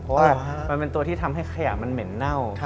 เพราะว่ามันเป็นตัวที่ทำให้ขยะมันเหม็นเน่า